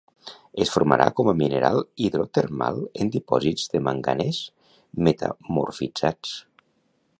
Es formarà com a mineral hidrotermal en dipòsits de manganès metamorfitzats.